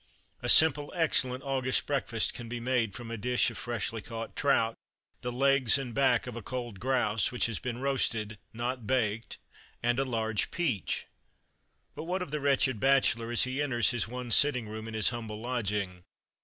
A simple, excellent August breakfast can be made from a dish of freshly caught trout, the legs and back of a cold grouse, which has been roasted, not baked, and A Large Peach. But what of the wretched bachelor, as he enters his one sitting room, in his humble lodging?